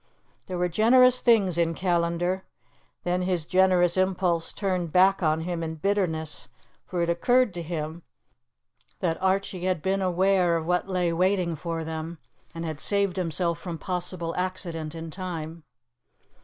There were generous things in Callandar. Then his generous impulse turned back on him in bitterness, for it occurred to him that Archie had been aware of what lay waiting for them, and had saved himself from possible accident in time.